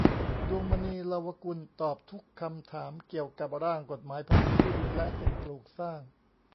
ดวงมณี เลาวกุล ตอบทุกคำถามเกี่ยวกับร่างกฎหมายภาษีที่ดินและสิ่งปลูกสร้าง